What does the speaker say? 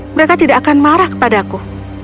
mereka tidak akan marah kepadaku